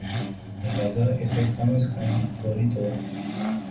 لہذا اسے کم از کم فوری طور